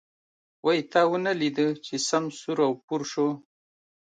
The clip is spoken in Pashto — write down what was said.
وی تا ونه ليده چې سم سور و پور شو.